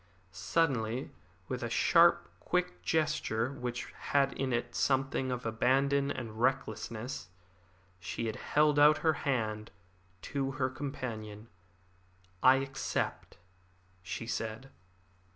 Suddenly, with a sharp, quick gesture which had in it something of abandon and recklessness, she held out her hand to her companion. "I accept," she said.